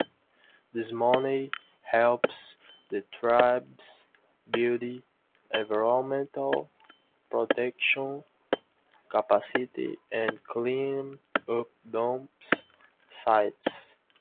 This money helps the tribes build environmental protection capacity and clean up dump sites.